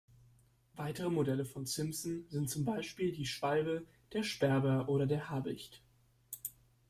Weitere Modelle von Simson sind zum Beispiel die Schwalbe, der Sperber oder der Habicht.